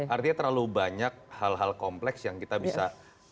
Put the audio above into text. artinya terlalu banyak hal hal kompleks yang kita bisa